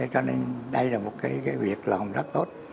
cho nên đây là một việc làm rất tốt